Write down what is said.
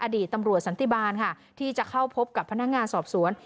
อดีตตำรวจสันติบาลค่ะที่จะเข้าพบกับพนักงานสอบสวน